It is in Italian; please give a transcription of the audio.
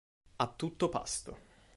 A tutto pasto.